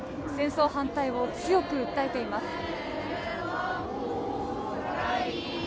戦争反対を強く訴えています。